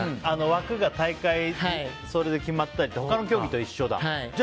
枠が大会、それで決まったり他の競技と一緒だ。